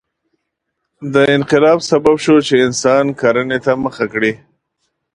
دا انقلاب سبب شو چې انسان کرنې ته مخه کړي.